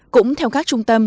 cũng theo các trung tâm